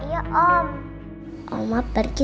adventure sama pak polisi